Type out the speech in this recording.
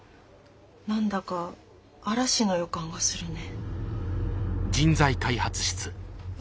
何だか嵐の予感がするね。